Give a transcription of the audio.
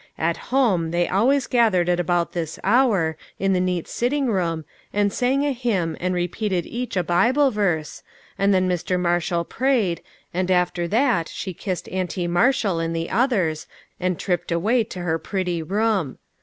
At home, they always gath 85 86 LITTLE FISHEES .' AND THEIE NETS. ered at about this hour, in the neat sitting room, and sang a hymn and repeated each a Bible verse, and then Mr. Marshall prayed, and after that she kissed Auntie Marshall and the others, and tripped away to her pretty room.